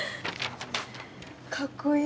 かっこいい！